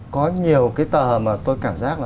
có nhiều cái tờ mà tôi cảm giác là